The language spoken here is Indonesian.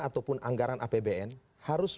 ataupun anggaran apbn harus